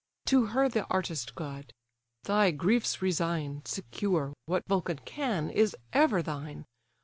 To her the artist god: "Thy griefs resign, Secure, what Vulcan can, is ever thine.